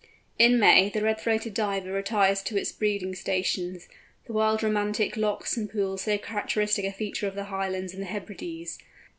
In May, the Red throated Diver retires to its breeding stations—the wild romantic lochs and pools so characteristic a feature of the Highlands and the Hebrides.